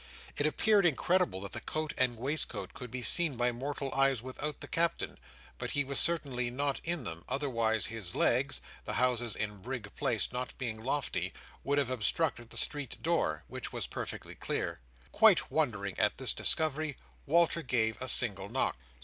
It appeared incredible that the coat and waistcoat could be seen by mortal eyes without the Captain; but he certainly was not in them, otherwise his legs—the houses in Brig Place not being lofty—would have obstructed the street door, which was perfectly clear. Quite wondering at this discovery, Walter gave a single knock.